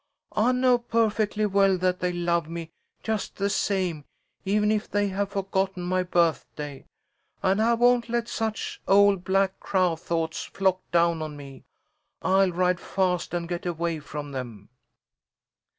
I know perfectly well that they love me just the same even if they have forgotten my birthday, and I won't let such old black crow thoughts flock down on me. I'll ride fast and get away from them."